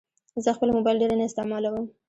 زه خپل موبایل ډېر نه استعمالوم.